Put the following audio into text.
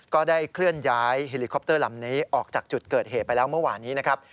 ก็ได้เคลื่อนย้ายเฮลิคอปเตอร์ลำนี้ออกจากจุดเกิดเหตุไปแล้วเมื่อวานี้นะครับ